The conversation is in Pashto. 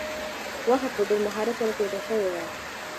غوښه په ډېر مهارت سره ټوټه شوې وه.